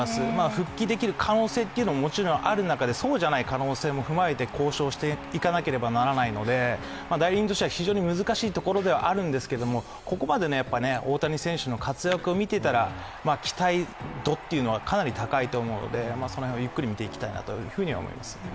復帰できる可能性ももちろんある中でそうじゃない可能性も踏まえて交渉していかなければならないので代理人としては非常に難しいところですが、ここまで、大谷選手の活躍を見ていたら、期待度はかなり高いと思うので、その辺をゆっくり見ていきたいと思います。